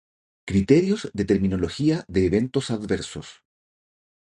Criterios de Terminología de Eventos Adversos